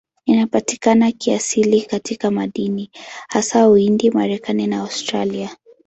Inapatikana kiasili katika madini, hasa Uhindi, Marekani na Australia.